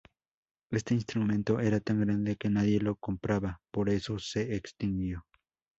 Este instrumento era tan grande que nadie lo compraba por eso se extinguió.